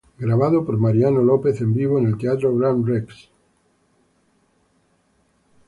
Grabado por Mariano Lopez en vivo en el Teatro Gran Rex.